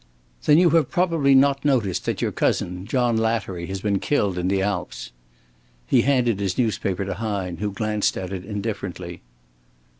"Then you have probably not noticed that your cousin, John Lattery, has been killed in the Alps." He handed his newspaper to Hine, who glanced at it indifferently.